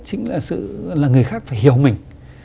chính là người khác phải hiểu mình